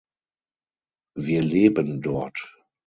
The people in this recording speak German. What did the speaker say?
Wir leben dort.